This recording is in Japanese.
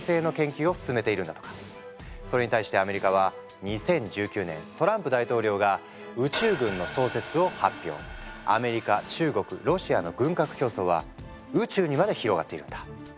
それに対してアメリカは２０１９年トランプ大統領がアメリカ中国ロシアの軍拡競争は宇宙にまで広がっているんだ。